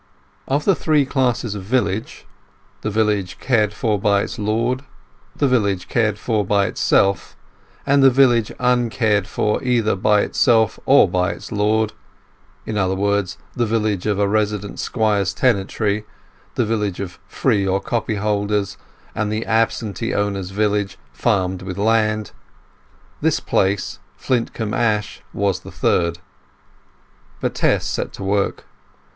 Of the three classes of village, the village cared for by its lord, the village cared for by itself, and the village uncared for either by itself or by its lord (in other words, the village of a resident squire's tenantry, the village of free or copy holders, and the absentee owner's village, farmed with the land) this place, Flintcomb Ash, was the third. But Tess set to work.